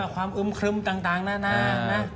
ความอึมครึมต่างนานานะ